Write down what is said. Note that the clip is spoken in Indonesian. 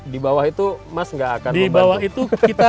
di bawah itu mas nggak akan membantu